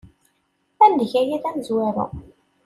Ad neg aya d amezwaru.